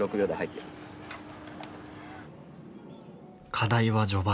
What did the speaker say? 課題は序盤。